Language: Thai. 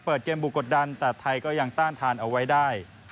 เปิดเกมบุกกดดันแต่ไทยก็ยังต้านทานเอาไว้ได้